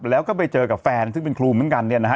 แล้วก็ไปเจอกับแฟนซึ่งเป็นครูเหมือนกัน